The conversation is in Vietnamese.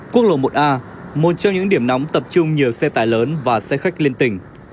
quốc lộ một a một trong những điểm nóng tập trung nhiều xe tải lớn và xe khách liên tỉnh